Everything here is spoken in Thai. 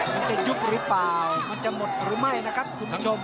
มันจะยุบหรือเปล่ามันจะหมดหรือไม่นะครับคุณผู้ชม